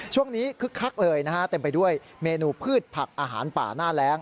คึกคักเลยนะฮะเต็มไปด้วยเมนูพืชผักอาหารป่าหน้าแรง